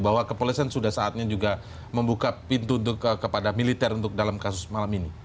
bahwa kepolisian sudah saatnya juga membuka pintu kepada militer untuk dalam kasus malam ini